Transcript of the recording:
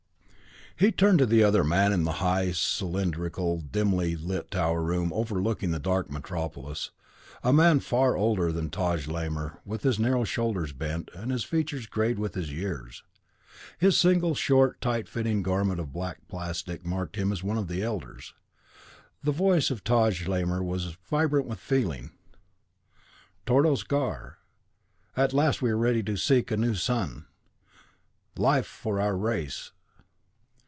He turned to the other man in the high, cylindrical, dimly lit tower room overlooking the dark metropolis, a man far older than Taj Lamor, his narrow shoulders bent, and his features grayed with his years. His single short, tight fitting garment of black plastic marked him as one of the Elders. The voice of Taj Lamor was vibrant with feeling: "Tordos Gar, at last we are ready to seek a new sun. Life for our race!"